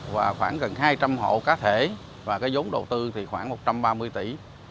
và khoảng gần hai trăm linh hộ cá thể và cái giống đầu tư thì khoảng một trăm ba mươi tỷ